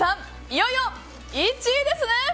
いよいよ１位ですね！